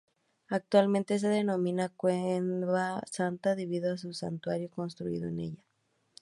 Actualmente se denomina "Cueva Santa", debido al Santuario construido en ella.